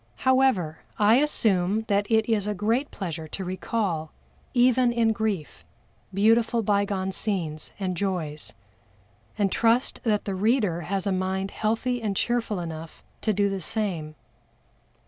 However, I assume that it is a great pleasure to recall, even in grief, beautiful bygone scenes and joys, and trust that the reader has a mind healthy and cheerful enough to do the same.